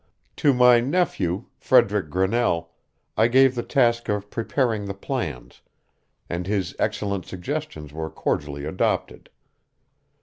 To my nephew, Frederick Grinnell, I gave the task of preparing the plans, and his excellent suggestions were cordially adopted.